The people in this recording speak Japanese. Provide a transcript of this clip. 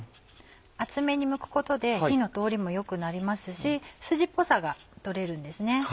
厚めにむくことで火の通りも良くなりますしスジっぽさが取れるんですね。